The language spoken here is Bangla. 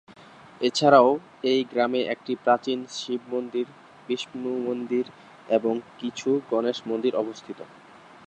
এছাড়াও এই গ্রামে একটি প্রাচীন শিব মন্দির, বিষ্ণু মন্দির এবং কিছু গণেশ মন্দির অবস্থিত।